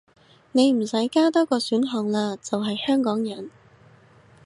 你唔使加多個選項喇，就係香港人